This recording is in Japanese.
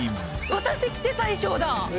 私着てた衣装だ。